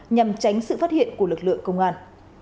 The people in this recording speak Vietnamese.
nhằm tránh sự phát hiện của lực lượng công an